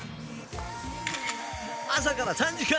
朝から３時間